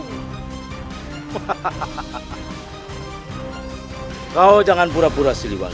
hai kau jangan pura pura siliwata